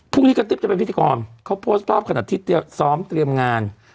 พรุ่งนี้กระติ๊บจะเป็นพิธีกรเขาโพสต์รอบขณะที่ซ้อมเตรียมงาน